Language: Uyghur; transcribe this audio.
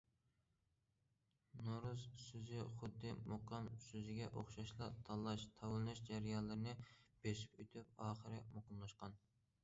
« نورۇز» سۆزى خۇددى« مۇقام» سۆزىگە ئوخشاشلا تاللاش، تاۋلىنىش جەريانلىرىنى بېسىپ ئۆتۈپ ئاخىرى مۇقىملاشقان.